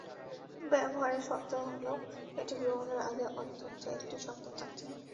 ব্যবহারের শর্ত হলো, এটি গ্রহণের আগে অন্তত একটি সন্তান থাকতে হবে।